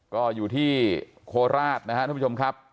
ก็อยู่ที่โคลาทนะทุ่มครับ